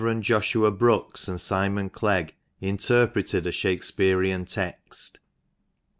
JOSHUA BROOKES AND SIMON CLEGG INTERPRETED A SHAKESPERIAN TEXT.